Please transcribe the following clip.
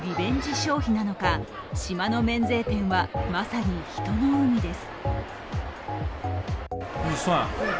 消費なのか、島の免税店はまさに人の海です。